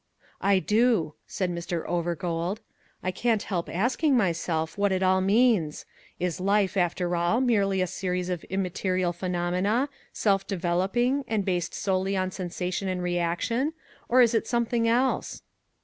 "I do," said Mr. Overgold. "I can't help asking myself what it all means. Is life, after all, merely a series of immaterial phenomena, self developing and based solely on sensation and reaction, or is it something else?"